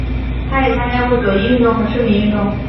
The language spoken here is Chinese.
他也参加过左翼运动和市民运动。